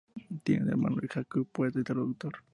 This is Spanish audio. Tiene un hermano, Jakub, poeta y traductor.